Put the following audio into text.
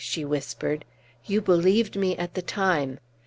she whispered. "You believed me at the time!"